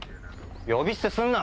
呼び捨てすんな！